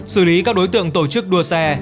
xử lý các đối tượng tổ chức đua xe